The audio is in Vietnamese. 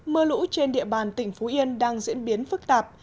mưa lũ trên địa bàn tỉnh phú yên đang diễn biến phức tạp